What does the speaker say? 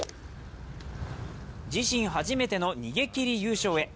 自身初めての逃げきり優勝へ。